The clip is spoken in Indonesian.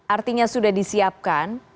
artinya sudah disiapkan